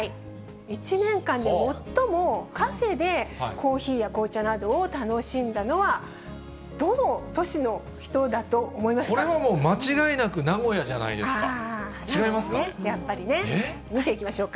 １年間で最も、カフェでコーヒーや紅茶などを楽しんだのは、これはもう、間違いなく名古屋じゃないですか、違いますか？